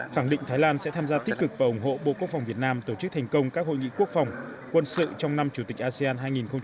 khẳng định thái lan sẽ tham gia tích cực và ủng hộ bộ quốc phòng việt nam tổ chức thành công các hội nghị quốc phòng quân sự trong năm chủ tịch asean hai nghìn hai mươi